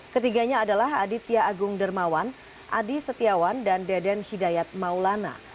ketiganya adalah aditya agung dermawan adi setiawan dan deden hidayat maulana